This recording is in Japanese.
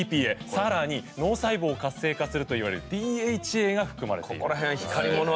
更に脳細胞を活性化するといわれるＤＨＡが含まれています。